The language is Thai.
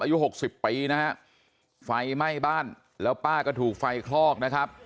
หกสิบปีนะฮะไฟไหม้บ้านแล้วป้าก็ถูกไฟคลอกนะครับ